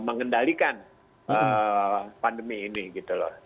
mengendalikan pandemi ini gitu loh